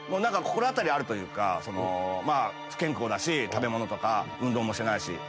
心当たりあるというか不健康だし食べ物とか運動もしてないし。